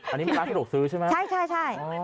อันนี้ทะโดกซื้อใช่ไหมครับนะฮะใช่